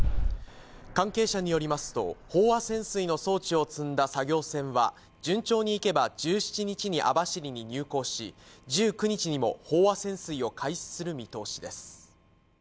関係者によりますと、飽和潜水の装置を積んだ作業船は、順調にいけば１７日に網走に入港し、１９日にも飽和潜水を開始する見通しです。